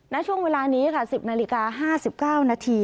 ณช่วงเวลานี้ค่ะ๑๐นาฬิกา๕๙นาที